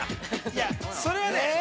◆いや、それはね。